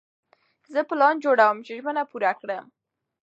زه پلان جوړوم چې ژمنه پوره کړم.